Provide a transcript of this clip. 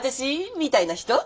みたいな人？